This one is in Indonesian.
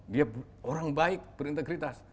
dia orang baik berintegritas